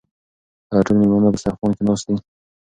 آیا ټول مېلمانه په دسترخوان کې ناست دي؟